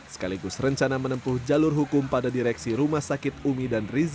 sekaligus rencana menempuh jalur hukum pada direksi rumah sakit umi dan rizky